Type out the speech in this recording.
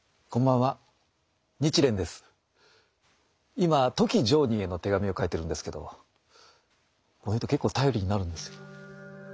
今富木常忍への手紙を書いてるんですけどこの人結構頼りになるんですよ。